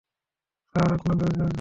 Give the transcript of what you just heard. Sir, আপনার জন্য।